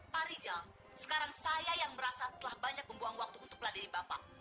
pak rijal sekarang saya yang merasa telah banyak membuang waktu untuk meladini bapak